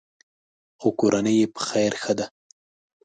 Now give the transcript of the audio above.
خو کورنۍ یې په خیر ښه ده.